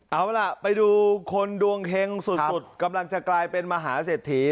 เอาล่ะไปดูคนดวงเฮงสุดกำลังจะกลายเป็นมหาเศรษฐี